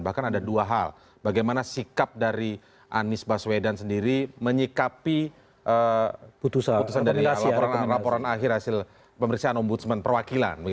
bahkan ada dua hal bagaimana sikap dari anies baswedan sendiri menyikapi putusan dari laporan akhir hasil pemeriksaan ombudsman perwakilan